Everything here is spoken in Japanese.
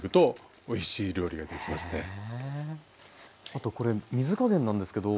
あとこれ水加減なんですけど。